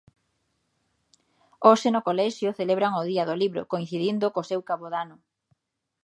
Hoxe no colexio celebran o Día do Libro coincidindo co seu cabodano.